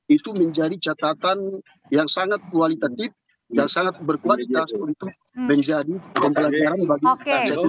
itu menjadi catatan yang sangat kualitatif dan sangat berkualitas untuk menjadi pembelajaran bagi rakyat indonesia